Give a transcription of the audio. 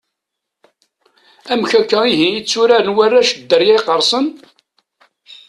Amek akka ihi i tturaren warrac Dderya iqersen?